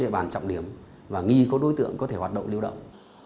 địa bàn trọng điểm và nghi có đối tượng có thể hoạt động lưu động